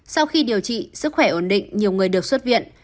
sau khi điều trị sức khỏe ổn định nhiều người được xuất viện